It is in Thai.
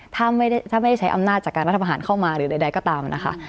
ถ้าไม่ได้ใช้อำนาจจากการรัฐประหารเข้ามาหรือใดก็ตามนะคะ